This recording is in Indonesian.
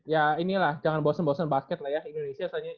ya inilah jangan bosen bosen basket lah ya indonesia